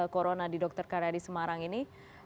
corona di dokter karya di semarang ini